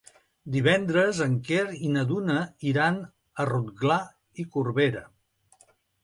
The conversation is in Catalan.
Divendres en Quer i na Duna iran a Rotglà i Corberà.